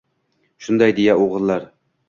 Shunday deya o‘g‘illar